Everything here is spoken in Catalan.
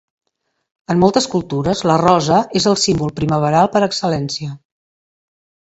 En moltes cultures, la rosa és el símbol primaveral per excel·lència.